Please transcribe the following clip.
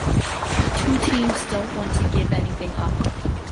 The two teams don’t want to give anything up.